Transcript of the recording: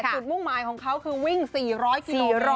มุ่งหมายของเขาคือวิ่ง๔๐๐กิโล๑๐๐